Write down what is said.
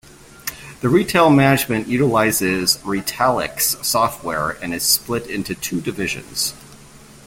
The retail management utilizes Retalix software and is split into two divisions.